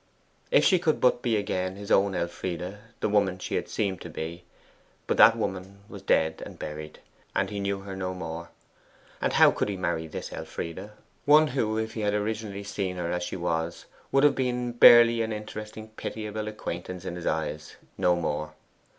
If she could but be again his own Elfride the woman she had seemed to be but that woman was dead and buried, and he knew her no more! And how could he marry this Elfride, one who, if he had originally seen her as she was, would have been barely an interesting pitiable acquaintance in his eyes no more?